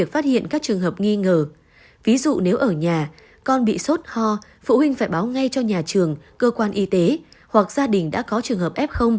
phụ huynh phải báo ngay cho nhà trường cơ quan y tế hoặc gia đình đã có trường hợp f